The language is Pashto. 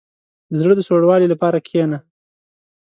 • د زړه د سوړوالي لپاره کښېنه.